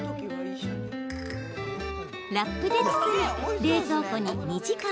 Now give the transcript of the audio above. ラップで包み、冷蔵庫に２時間。